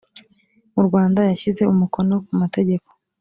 mu rwanda yashyize umukono ku mategeko